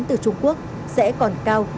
từ trung quốc sẽ còn cao